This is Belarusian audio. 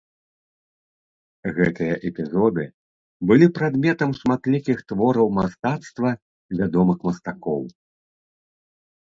Гэтыя эпізоды былі прадметам шматлікіх твораў мастацтва вядомых мастакоў.